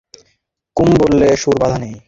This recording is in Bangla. কুম বললে, সুর বাঁধা নেই।